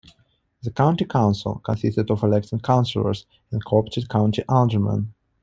The county council consisted of elected councillors and co-opted county aldermen.